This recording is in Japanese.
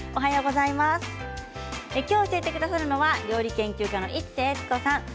今日、教えてくださるのは料理研究家の市瀬悦子さんです。